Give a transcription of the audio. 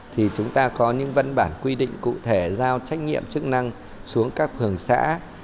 thì chúng ta có những văn bản quy định cụ thể giao trách nhiệm chức năng xuống các phường xã